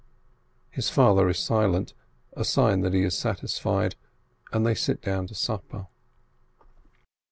His father is silent — a sign that he is satisfied^ — and they sit down to supper.